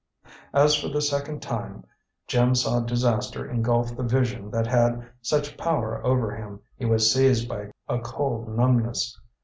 As, for the second time, Jim saw disaster engulf the Vision that had such power over him, he was seized by a cold numbness.